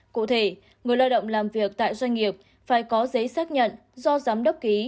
cụ thể người lao động làm việc tại doanh nghiệp phải có giấy xác nhận do giám đốc ký